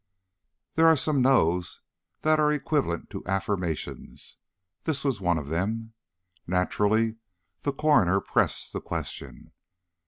There are some noes that are equivalent to affirmations. This was one of them. Naturally the coroner pressed the question.